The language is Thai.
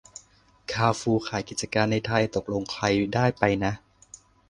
คาร์ฟูร์ขายกิจการในไทย ตกลงใครได้ไปนะ